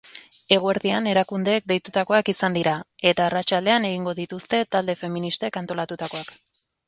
Eguerdian erakundeek deitutakoak izan dira, eta arratsaldean egingo dituzte talde feministek antolatutakoak.